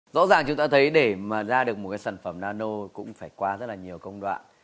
rõ ràng chúng ta thấy để mà ra được một cái sản phẩm nano cũng phải qua rất là nhiều công đoạn